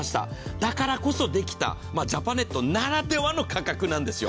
だからこそできた、ジャパネットならではの価格なんですよ。